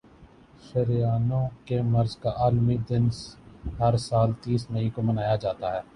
شریانوں کے مرض کا عالمی دن ہر سال تیس مئی کو منایا جاتا ہے